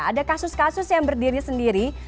ada kasus kasus yang berdiri sendiri